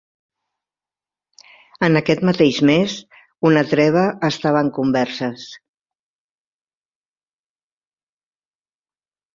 En aquest mateix mes, una treva estava en converses.